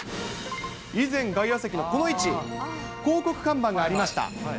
以前、外野席のこの位置、広告看板がありました。